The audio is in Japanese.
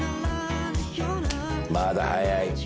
まだ早い。